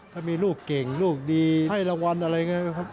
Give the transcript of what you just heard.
ถ้ามีลูกเก่งลูกดีให้รางวัลอะไรไงครับ